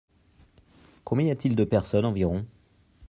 Combien y a-t-il de personnes environ ?